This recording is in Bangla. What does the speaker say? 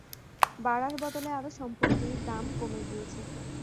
বাড়ার বদলে আরো সম্পত্তির দাম কমে গিয়েছে।